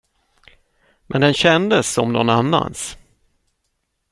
Men den kändes som nån annans.